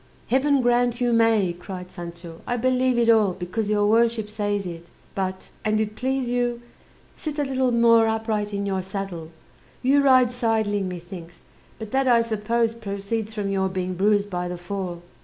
"Heaven grant you may," cried Sancho; "I believe it all, because your worship says it. But, an't please you, sit a little more upright in your saddle; you ride sideling methinks; but that, I suppose, proceeds from your being bruised by the fall."